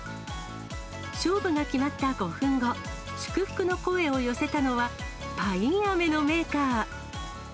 勝負が決まった５分後、祝福の声を寄せたのはパインアメのメーカー。